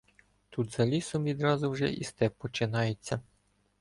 Тут за лісом відразу вже і степ починається.